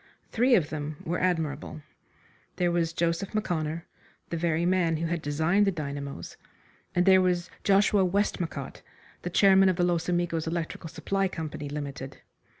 Three of them were admirable. There was Joseph M'Conner, the very man who had designed the dynamos, and there was Joshua Westmacott, the chairman of the Los Amigos Electrical Supply Company, Limited.